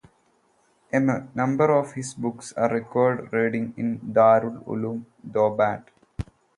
A number of his books are required readings in Darul Uloom Deoband.